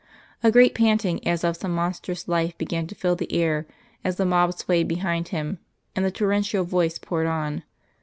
A great panting as of some monstrous life began to fill the air as the mob swayed behind Him, and the torrential voice poured on.